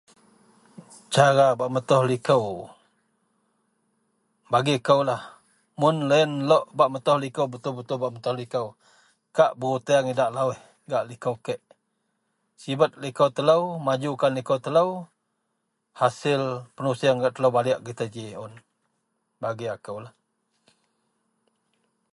Cara bak metoh likou, bagi koulah mun loyen lok bak metoh likou betul-betul, betul-betul bak metoh likou kak beruteang idak lawuih gak likou kek. Sibet likou telou, majukan likou telou. Hasil penusieng gak telou baliek gitou ji un. Bagi akou lah.